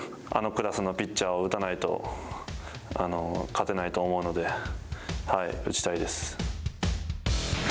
あのクラスのピッチャーを打たないと勝てないと思うので、打ちたいです。